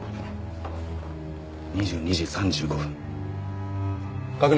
「２２時３５分」確認。